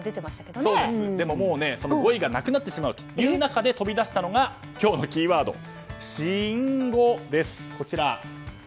もう語彙がなくなってしまう中で飛び出したのが今日のキーワードシンゴです。